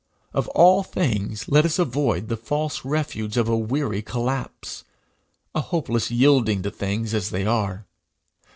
Of all things let us avoid the false refuge of a weary collapse, a hopeless yielding to things as they are.